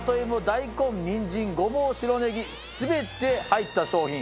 大根にんじんごぼう白ネギ全て入った商品。